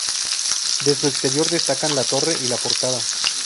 De su exterior destacan la torre y la portada.